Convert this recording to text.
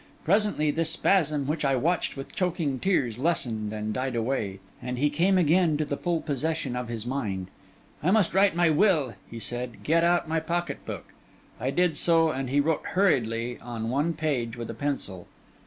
Presently this spasm, which I watched with choking tears, lessened and died away; and he came again to the full possession of his mind. 'I must write my will,' he said. 'Get out my pocket book.' I did so, and he wrote hurriedly on one page with a pencil.